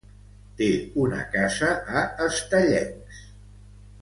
Té una casa a Estellencs.